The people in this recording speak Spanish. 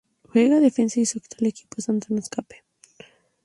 Juega de defensa y su actual equipo es el Santos Cape Town de Sudáfrica.